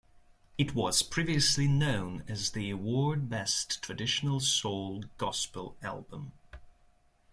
It was previously known as the award Best Traditional Soul Gospel Album.